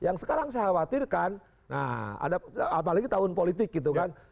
nah apalagi tahun politik gitu kan